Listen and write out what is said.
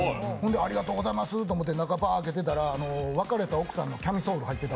ありがとうございますって思って、見たら別れた奥さんのキャミソール入ってた。